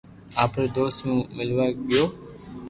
آپري دوست مون ملوا گيو